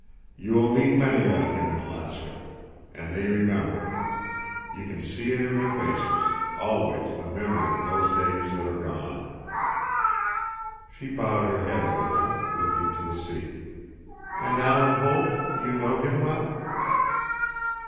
"You will meet many like him in Alaska. And they remember. You can see it in their faces—always the memory of those days that are gone." She bowed her head a little, looking to the sea. "And Alan Holt? You know him well?"